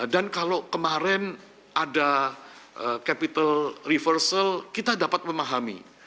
dan kalau kemarin ada capital reversal kita dapat memahami